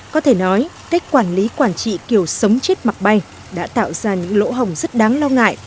có thể nói cách quản lý quản trị kiểu sống chết mặc bay đã tạo ra những lỗ hồng rất đáng lo ngại